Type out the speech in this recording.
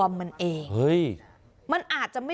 นี่คือเทคนิคการขาย